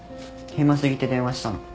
暇過ぎて電話したの。